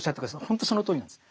ほんとそのとおりなんです。